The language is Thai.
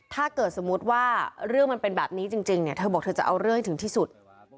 ถ้าเกิดสมมุติว่าเรื่องมันเป็นแบบนี้จริงเนี่ยเธอบอกเธอจะเอาเรื่องให้ถึงที่สุด